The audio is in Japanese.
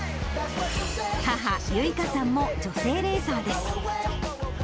母、ゆいかさんも女性レーサーです。